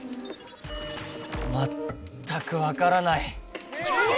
まったくわからない！え！